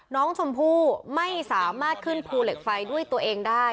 น้องชมพู่ไม่สามารถขึ้นภูเหล็กไฟด้วยตัวเองได้